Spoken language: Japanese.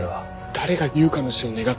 誰が悠香の死を願った？